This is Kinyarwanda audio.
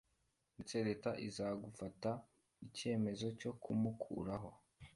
ndetse leta iza gufata icyemezo cyo kumukuraho